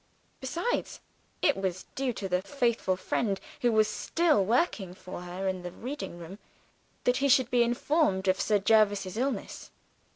Besides, it was due to the faithful friend, who was still working for her in the reading room, that he should be informed of Sir Jervis's illness.